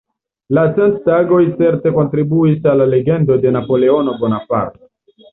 La Cent-Tagoj certe kontribuis al la legendo de Napoleono Bonaparte.